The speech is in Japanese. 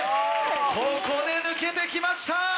ここで抜けてきました！